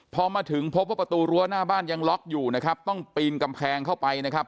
พอมาถึงพบว่าประตูรั้วหน้าบ้านยังล็อกอยู่นะครับต้องปีนกำแพงเข้าไปนะครับ